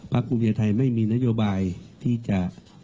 ปรักษณุนียไทยไม่มีนโยบายที่จะ